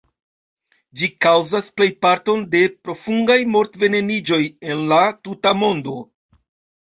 Ĝi kaŭzas plejparton de profungaj mort-veneniĝoj en la tuta mondo.